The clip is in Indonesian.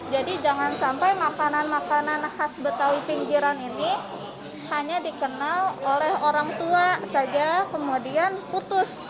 jadi jangan sampai makanan makanan khas betawi pinggiran ini hanya dikenal oleh orang tua saja kemudian putus